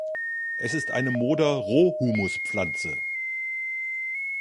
Es ist eine Moder-Rohhumuspflanze.